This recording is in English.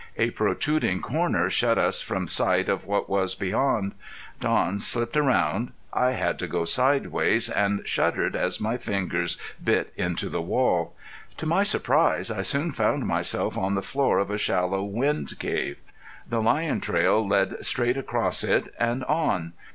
A protruding corner shut us from sight of what was beyond. Don slipped around. I had to go sidewise and shuddered as my fingers bit into the wall. To my surprise I soon found myself on the floor of a shallow wind cave. The lion trail led straight across it and on.